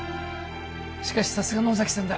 しかしさすが野崎さんだ